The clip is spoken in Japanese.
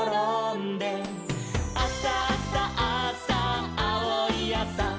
「あさあさあさあおいあさ」